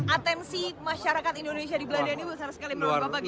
atensi masyarakat indonesia di belanda ini besar sekali